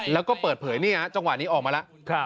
แล้วก็เปิดเผยนี่ฮะจังหวะนี้ออกมาแล้ว